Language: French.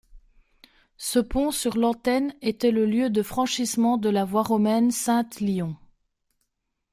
Ce pont sur l'Antenne était le lieu de franchissement de la voie romaine Saintes-Lyon.